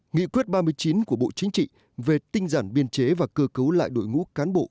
nghị quyết ba mươi chín của bộ chính trị về tinh giản biên chế và cơ cấu lại đội ngũ cán bộ